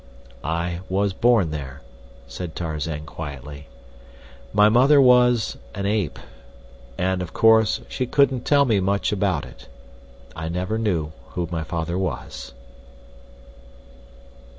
"I was born there," said Tarzan, quietly. "My mother was an Ape, and of course she couldn't tell me much about it. I never knew who my father was."